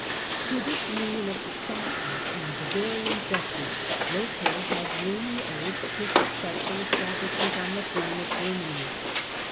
To ^*^*^® this union of the Saxon and Bavarian duchies Lothair had mainly owed his successful establishment on the throne of Germany.